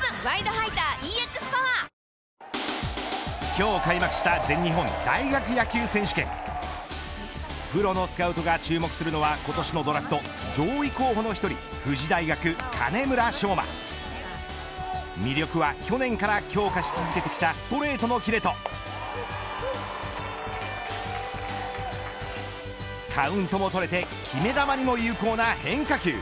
今日開幕した全日本大学野球選手権プロのスカウトが注目するのは今年のドラフト上位候補の１人富士大学金村尚真魅力は去年から強化し続けてきたストレートのキレとカウントも取れて決め球にも有効な変化球。